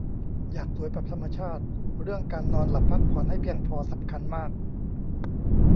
อยากสวยแบบธรรมชาติ เรื่องการนอนหลับพักผ่อนให้เพียงพอสำคัญมาก